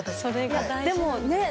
でもねっ？